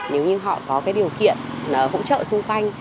nếu như họ có cái điều kiện hỗ trợ xung quanh